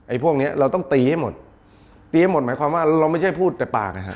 พวกเนี้ยเราต้องตีให้หมดตีให้หมดหมายความว่าเราไม่ใช่พูดแต่ปากนะฮะ